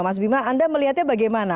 mas bima anda melihatnya bagaimana